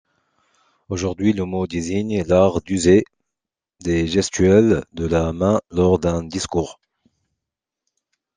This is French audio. Aujourd'hui le mot désigne l'art d'user des gestuelles de la main lors d'un discours.